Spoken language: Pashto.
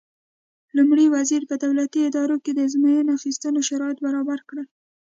لومړي وزیر په دولتي ادارو کې د ازموینې اخیستو شرایط وضع کړل.